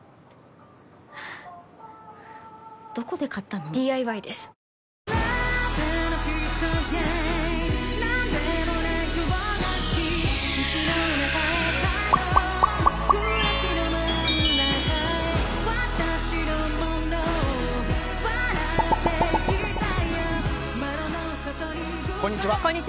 こんにちは。